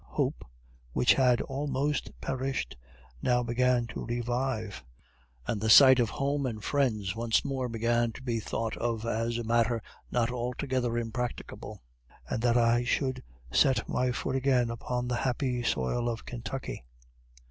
Hope, which had almost perished, now began to revive, and the sight of home and friends once more began to be thought of as a matter not altogether impracticable and that I should set my foot again upon the happy soil of Kentucky.